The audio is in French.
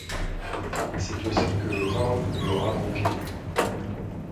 C'est aussi que le temps lui aura manqué.